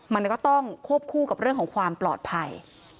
มันก็ต้องควบคู่กับเรื่องของความปลอดภัย